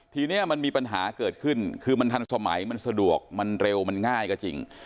ทีนี้มันมีปัญหาเกิดขึ้นคือมันทันสมัยมันสะดวกมันเร็วมันง่ายก็จริง